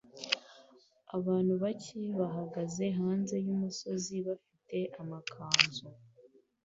Abantu bake bahagaze hanze yumusozi bafite amakanzu